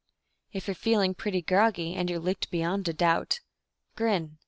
If you're feeling pretty groggy, and you're licked beyond a doubt Grin.